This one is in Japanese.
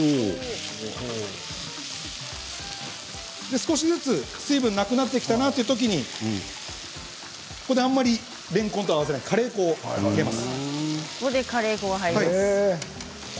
少しずつ水分がなくなってきたなというときにここであまりれんこんと合わせないカレー粉を入れます。